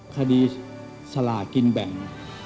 คดีสลากินแบ่ง